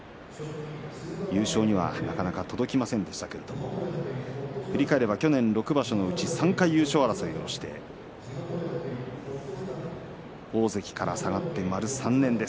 優勝にはなかなか届きませんでしたけれども振り返れば去年６場所のうち３回優勝争いをして大関から下がって丸３年です。